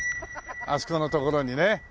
あそこの所にね。